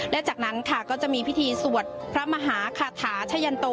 และจากนั้นค่ะก็จะมีพิธีสวดพระมหาคาถาชะยันโต